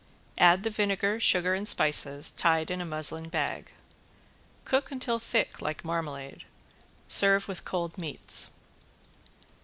Add the vinegar, sugar and spices tied in a muslin bag. Cook until thick like marmalade. Serve with cold meats.